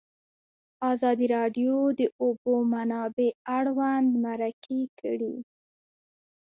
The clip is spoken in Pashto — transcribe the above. ازادي راډیو د د اوبو منابع اړوند مرکې کړي.